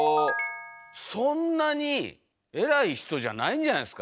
そんなに偉い人じゃないんじゃないですか？